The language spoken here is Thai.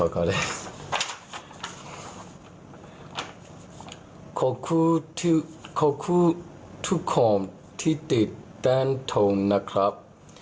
ขอบคุณทุกคนที่ติดแต้มทงนะครับ